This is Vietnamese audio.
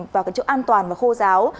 vào chỗ an toàn và khô ráo